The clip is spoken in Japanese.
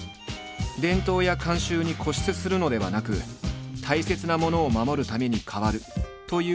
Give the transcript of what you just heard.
伝統や慣習に固執するのではなく大切なものを守るために変わるという思想だ。